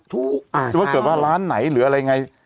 ถ้าเกิดว่าร้านไหนหรืออะไรไง